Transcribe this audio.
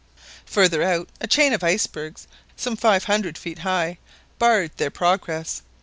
Further out a chain of icebergs, some five hundred feet high, barred their progress.